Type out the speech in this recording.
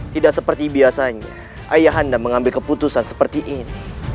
tidak seperti biasanya ayah anda mengambil keputusan seperti ini